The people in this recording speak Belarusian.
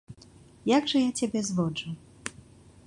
Як жа я цябе зводжу?